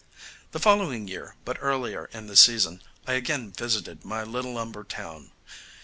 The following year, but earlier in the season, I again visited my little lumber town.